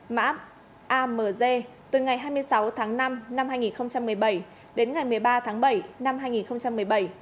mã amg từ ngày hai mươi sáu tháng năm năm hai nghìn một mươi bảy đến ngày một mươi ba tháng bảy năm hai nghìn một mươi bảy